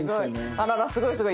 あららすごいすごい。